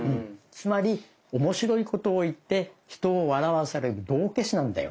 つまり面白いことを言って人を笑わせる道化師なんだよ。